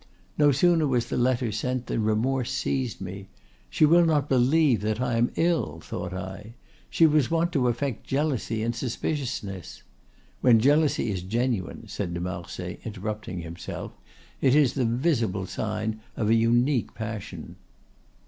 No sooner was the letter sent than remorse seized me: she will not believe that I am ill! thought I. She was wont to affect jealousy and suspiciousness.—When jealousy is genuine," said de Marsay, interrupting himself, "it is the visible sign of an unique passion."